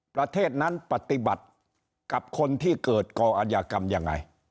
ประเทศนั้นปฏิบัติกับคนที่เกิดก่ออายากรรมยังไง